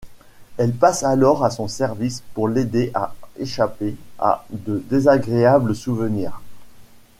Elle passe alors à son service pour l’aider à échapper à de désagréables souvenirs.